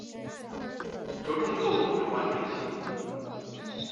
着重构图之完整性